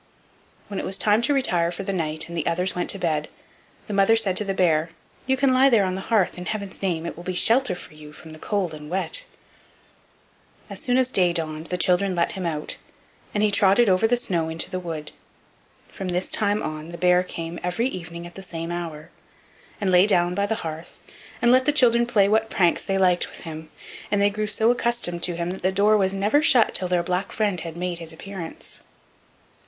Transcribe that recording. When it was time to retire for the night, and the others went to bed, the mother said to the bear: "You can lie there on the hearth, in heaven's name; it will be shelter for you from the cold and wet." As soon as day dawned the children led him out, and he trotted over the snow into the wood. From this time on the bear came every evening at the same hour, and lay down by the hearth and let the children play what pranks they liked with him; and they got so accustomed to him that the door was never shut till their black friend had made his appearance.